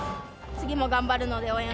次も頑張るので応援